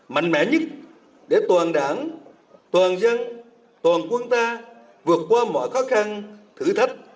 mạnh mẽ nhất để toàn đảng toàn dân toàn quân ta vượt qua mọi khó khăn thử thách